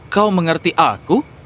kau mengerti aku